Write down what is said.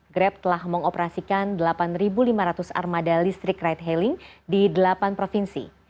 grab telah mengoperasikan delapan lima ratus armada listrik ride hailing di delapan provinsi